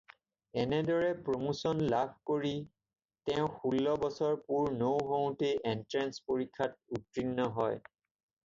এনেদৰে প্ৰমোচন লাভ কৰি তেওঁ ষোল্ল বছৰ পূৰ নৌহওঁতেই এণ্ট্ৰেন্স পৰীক্ষাত উত্তীৰ্ণ হয়।